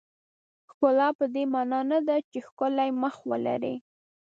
ښکلا پدې معنا نه ده چې ښکلی مخ ولرئ.